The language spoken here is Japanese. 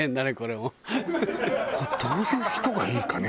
これどういう人がいいかね？